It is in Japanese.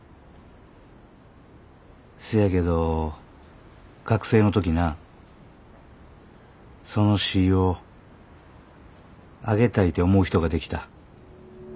せやけど学生の時なその詩ぃをあげたいて思う人ができた。